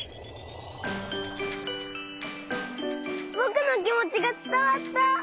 ぼくのきもちがつたわった！